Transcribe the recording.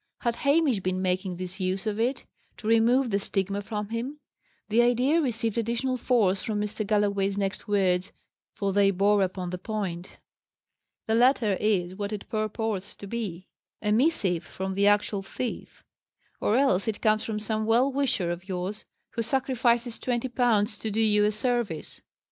Had Hamish been making this use of it to remove the stigma from him? The idea received additional force from Mr. Galloway's next words: for they bore upon the point. "This letter is what it purports to be: a missive from the actual thief; or else it comes from some well wisher of yours, who sacrifices twenty pounds to do you a service.